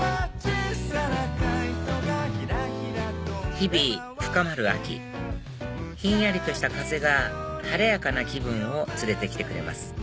日々深まる秋ひんやりとした風が晴れやかな気分を連れて来てくれます